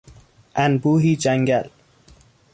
انبوهی جنگل